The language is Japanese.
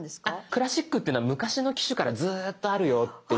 「クラシック」っていうのは昔の機種からずっとあるよっていうものがはい。